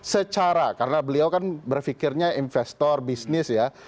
secara karena beliau kan berpikirnya investor bisnis ya